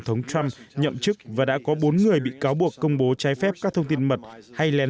thống trump nhậm chức và đã có bốn người bị cáo buộc công bố trái phép các thông tin mật hay